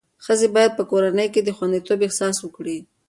ښځې باید په کورنۍ کې د خوندیتوب احساس وکړي.